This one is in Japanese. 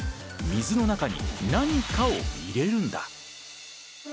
水の中に何かを入れるんだ。